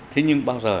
thế nhưng bao giờ